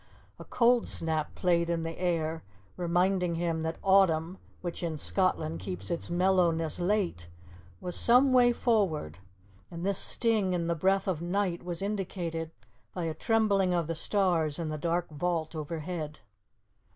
A cold snap played in the air, reminding him that autumn, which in Scotland keeps its mellowness late, was some way forward, and this sting in the breath of night was indicated by a trembling of the stars in the dark vault overhead.